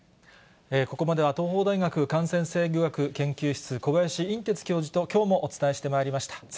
ここまでは東邦大学感染制御学研究室、小林寅てつ教授と、きょうもお伝えしてまいりました。